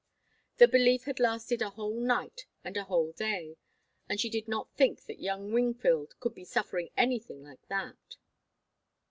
The belief had lasted a whole night and a whole day, and she did not think that young Wingfield could be suffering anything like that.